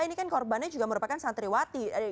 ini kan korbannya juga merupakan santriwati